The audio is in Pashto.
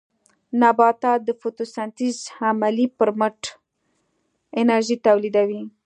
نباتات د فوټوسنټیز عملیې پرمټ انرژي تولیدوي.